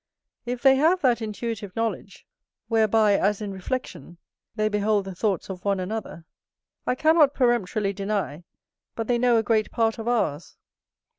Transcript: If they have that intuitive knowledge, whereby, as in reflection, they behold the thoughts of one another, I cannot peremptorily deny but they know a great part of ours.